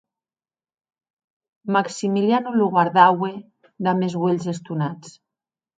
Maximiliano lo guardaue damb uelhs estonats.